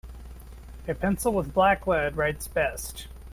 A pencil with black lead writes best.